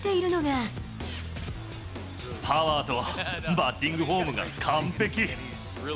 パワーとバッティングフォームが完璧。